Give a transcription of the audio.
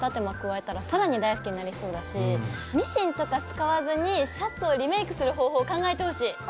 間加えたら更に大好きになりそうだしミシンとか使わずにシャツをリメイクする方法を考えてほしい！